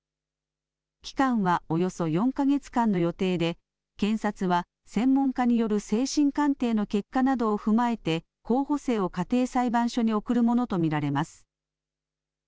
期間はおよそ４か月間の予定で検察は専門家による精神鑑定の結果などを踏まえて候補生を家庭裁判所に送るものと見られます。